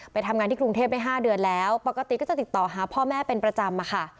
ทำงานที่กรุงเทพได้๕เดือนแล้วปกติก็จะติดต่อหาพ่อแม่เป็นประจำอะค่ะ